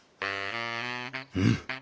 うん？